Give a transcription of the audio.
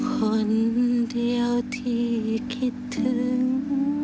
คนเดียวที่คิดถึง